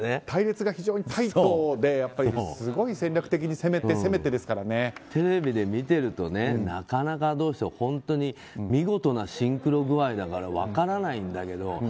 隊列が非常にタイトですごい戦略的に攻めて攻めてテレビで見てるとなかなか、どうして本当に見事なシンクロ具合だから分からないんだけど